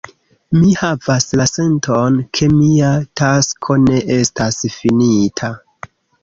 Mi havas la senton, ke mia tasko ne estas finita.